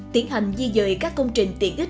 tiến hành di dời các công trình tiện ích